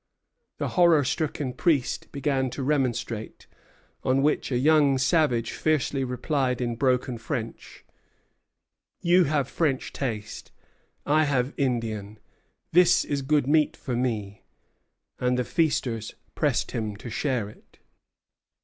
The horror stricken priest began to remonstrate; on which a young savage fiercely replied in broken French: "You have French taste; I have Indian. This is good meat for me;" and the feasters pressed him to share it.